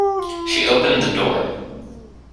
She opened the door.